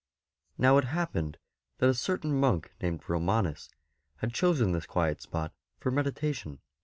Now it happened that a certain monk named Romanus had chosen this quiet spot for meditation.